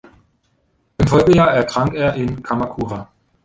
Im Folgejahr ertrank er in Kamakura.